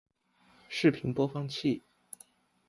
视频播放器